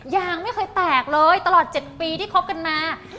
ยางไม่เคยแตกเลยตลอด๗ปีที่คบกันมา